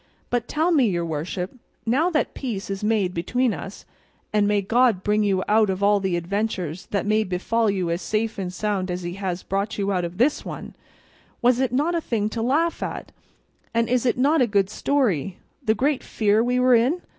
But tell me, your worship, now that peace is made between us (and may God bring you out of all the adventures that may befall you as safe and sound as he has brought you out of this one), was it not a thing to laugh at, and is it not a good story, the great fear we were in?